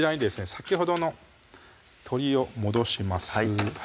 先ほどの鶏を戻します